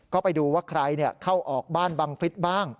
ก็ไปดูว่าใครเข้าออกบ้านบังฟิศบ้าง